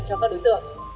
cho các đối tượng